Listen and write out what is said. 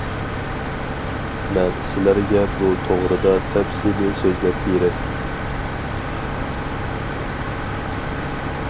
مەن سىلەرگە بۇ توغرىدا تەپسىلىي سۆزلەپ بېرەي.